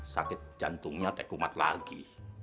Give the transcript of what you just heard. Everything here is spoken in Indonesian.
sakit jantungnya tekumat lagi